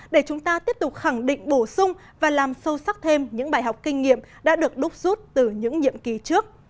để chúng ta tiếp tục khẳng định bổ sung và làm sâu sắc thêm những bài học kinh nghiệm đã được đúc rút từ những nhiệm kỳ trước